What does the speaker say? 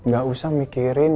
gak usah mikirin